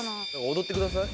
踊ってください。